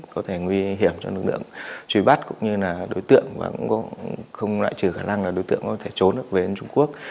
có thể nguy hiểm cho lực lượng truy bắt cũng như là đối tượng và cũng không loại trừ khả năng là đối tượng có thể trốn về trung quốc